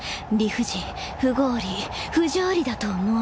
不尽不合理不条理だと思わない？